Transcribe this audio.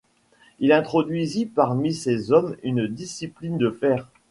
Il introduisit parmi ses hommes une discipline de fer.